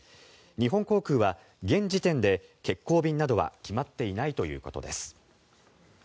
日本航空は現時点で欠航便などは決まっていないということです。